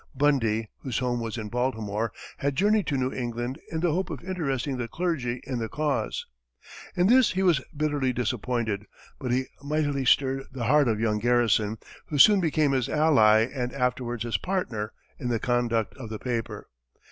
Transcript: Bundy, whose home was in Baltimore, had journeyed to New England in the hope of interesting the clergy in the cause. In this he was bitterly disappointed, but he mightily stirred the heart of young Garrison, who soon became his ally and afterwards his partner in the conduct of the paper.